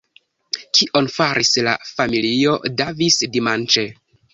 Kion faris la familio Davis dimanĉe?